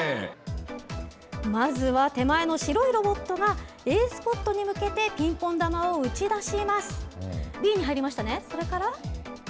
まずは手前の白いロボットが、Ａスポットに向けてピンポン球を打ち出します。